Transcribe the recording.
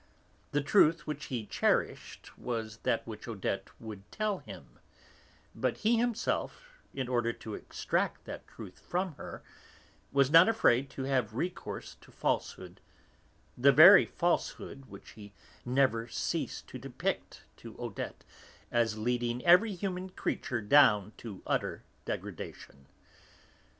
The truth which he cherished was that which Odette would tell him; but he himself, in order to extract that truth from her, was not afraid to have recourse to falsehood, that very falsehood which he never ceased to depict to Odette as leading every human creature down to utter degradation.